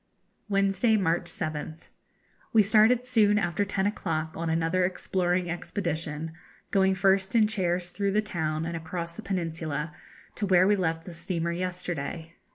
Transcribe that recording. Wednesday, March 7th. We started soon after ten o'clock on another exploring expedition, going first in chairs through the town, and across the peninsula to where we left the steamer yesterday.